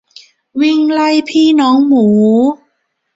วิ่งไล่พี่น้องหมู